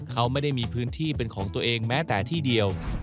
เขาไม่ได้มีพื้นที่เป็นของตัวเองแม้แต่ที่เดียว